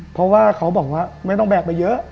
เพราะว่าเขาบอกว่าไม่ต้องแบกไปเยอะ